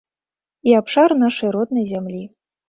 І абшар нашай роднай зямлі.